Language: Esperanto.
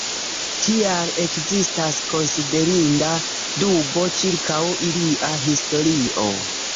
Tial ekzistas konsiderinda dubo ĉirkaŭ ilia historio.